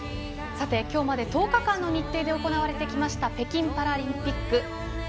今日まで１０日間の日程で行われてきました北京パラリンピック。